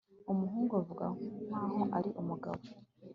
umuhungu avuga nkaho ari umugabo